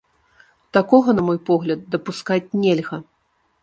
Такога, на мой погляд, дапускаць нельга.